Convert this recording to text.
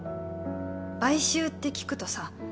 買収って聞くとさ